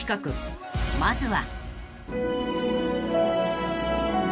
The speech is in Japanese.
［まずは］